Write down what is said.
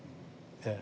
ええ。